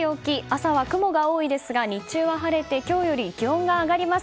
朝は雲が多いですが日中は晴れて今日より気温が上がります。